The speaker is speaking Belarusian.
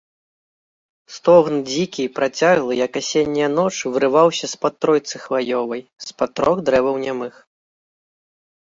Стогн дзікі, працяглы, як асенняя ноч, вырываўся з-пад тройцы хваёвай, з-пад трох дрэваў нямых.